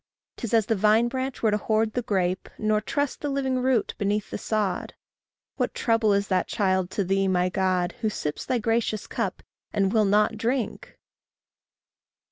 'Tis as the vine branch were to hoard the grape, Nor trust the living root beneath the sod. What trouble is that child to thee, my God, Who sips thy gracious cup, and will not drink!